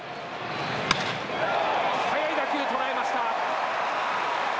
速い打球、捉えました。